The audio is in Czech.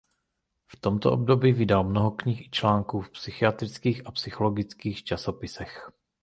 V tomto období vydal mnoho knih i článků v psychiatrických a psychologických časopisech.